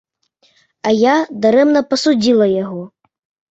А я дарэмна пасудзіла яго.